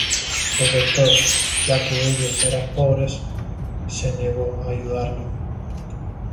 El doctor, ya que ellos eran pobres, se negó a ayudarlo.